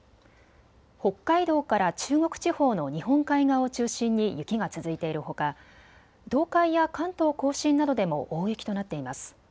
北海道から中国地方の日本海側を中心に雪が続いているほか、東海や関東甲信などでも大雪となっています。